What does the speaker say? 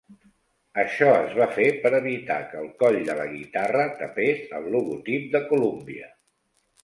Això es va fer per evitar que el coll de la guitarra tapés el logotip de Columbia.